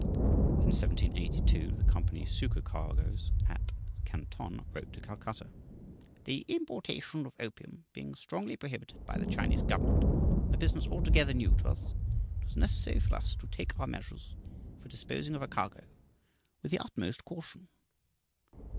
In 1782, the company's supercargoes at Canton wrote to Calcutta: "The importation of opium being strongly prohibited by the Chinese government, and a business altogether new to us, it was necessary for us to take our measures (for disposing of a cargo) with the utmost caution."